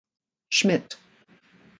Schmid.